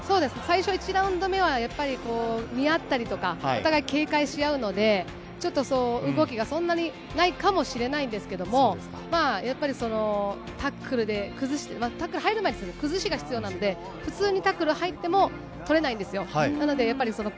１ラウンド目は、見合ったりとか警戒しあうので動きがそんなにないかもしれないですけど、タックルで、タックルに入る前に崩しが必要なので、普通にタックルに入っても取れないんですよ。